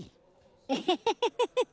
ウフフフフフ。